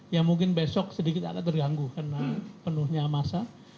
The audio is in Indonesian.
ya mungkin besok sedikit akan terganggu karena penuhnya masa